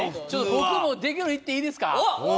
僕も「できる」いっていいですか。